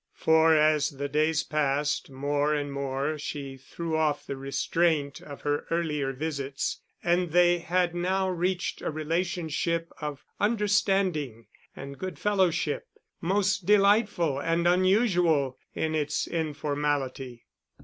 For as the days passed, more and more she threw off the restraint of her earlier visits and they had now reached a relationship of understanding and good fellowship, most delightful and unusual in its informality.